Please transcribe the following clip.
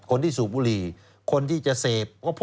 คนที่สูบบุหรี่คนที่จะเสพ